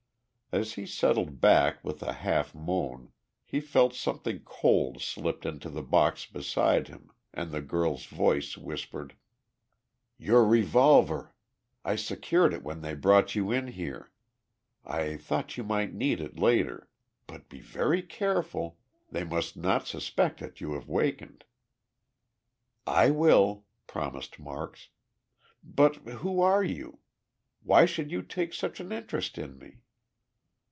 As he settled back with a half moan, he felt something cold slipped into the box beside him, and the girl's voice whispered: "Your revolver. I secured it when they brought you in here. I thought you might need it later. But be very careful. They must not suspect that you have wakened." "I will," promised Marks, "but who are you? Why should you take such an interest in me?"